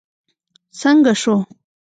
څنګه شو.